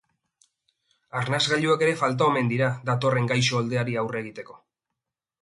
Arnasgailuak ere falta omen dira, datorren gaixo oldeari aurre egiteko.